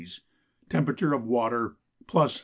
Temperature of water +41°.